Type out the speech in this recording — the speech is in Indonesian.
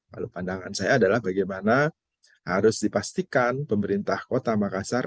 kalau pandangan saya adalah bagaimana harus dipastikan pemerintah kota makassar